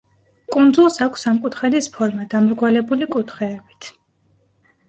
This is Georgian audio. კუნძულს აქვს სამკუთხედის ფორმა, დამრგვალებული კუთხეებით.